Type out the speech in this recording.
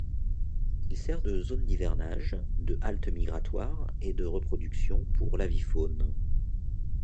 Il sert de zone d'hivernage, de halte migratoire et de reproduction pour l'avifaune.